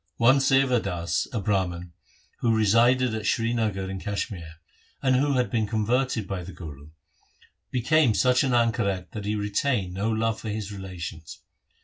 One Sewa Das, a Brahman, who resided at Srinagar in Kashmir, and who had been converted by the Guru, became such an anchoret that he retained no love for his relations.